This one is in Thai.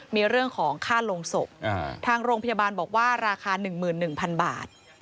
มีเรื่องของค่าลงศพทางโรงพยาบาลบอกว่าราคา๑๑๐๐๐บาท